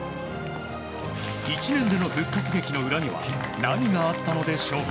１年での復活劇の裏には何があったのでしょうか？